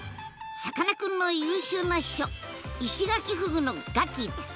さかなクンの優秀な秘書イシガキフグのガキィです。